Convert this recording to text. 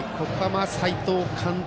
斎藤監督